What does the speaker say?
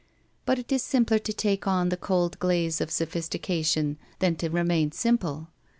But it is simpler to take on the cold glaze of sophis tication than to remain simple.